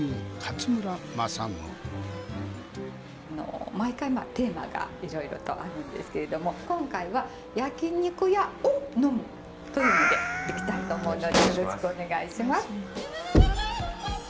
あの毎回テーマがいろいろとあるんですけれども今回は「焼肉屋を呑む」というのでいきたいと思うのでよろしくお願いします。